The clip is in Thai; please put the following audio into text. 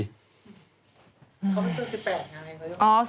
เขาไม่ตั้ง๑๘งานยังไง